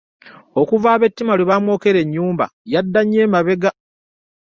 Okuva ab'ettima lwe baamwokera ennyumba yadda nnyo e mabega.